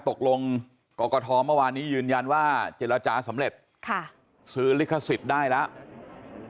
กรกฐเมื่อวานนี้ยืนยันว่าเจรจาสำเร็จซื้อลิขสิทธิ์ได้แล้ว